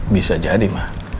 bisa jadi ma